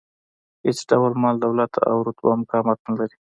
هېڅ ډول مال، دولت او رتبه مقاومت نه لري.